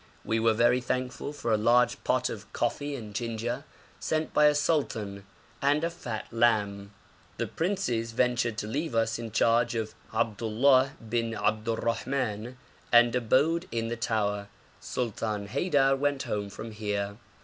We were very thankful for a large pot of coffee and ginger, sent by a sultan, and a fat lamb. The princes ventured to leave us in charge of Abdullah bin Abdurrahman, and abode in the tower. Sultan Haidar went home from here.